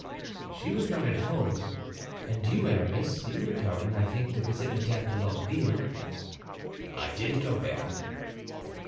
"She was not at home. And you, Aramis, you were going, I think, to visit Madame de Longueville." "I did go there."